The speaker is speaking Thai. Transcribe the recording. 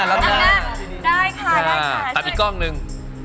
จำอีกกล้องหนึ่ง